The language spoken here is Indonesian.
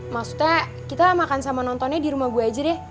maksudnya kita makan sama nontonnya dirumah gue aja deh